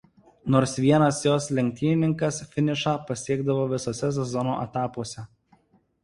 Nors vienas jos lenktynininkas finišą pasiekdavo visuose sezono etapuose.